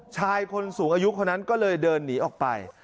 ชายคนสูงอายุคนนั้นก็เลยเดินหนีออกไป